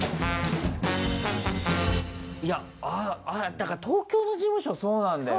だから東京の事務所そうなんだよね。